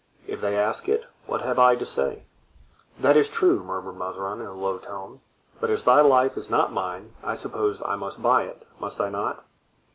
If they ask it what have I to say?" "That is true," murmured Mazarin, in a low tone, "but as thy life is not mine I suppose I must buy it, must I not?"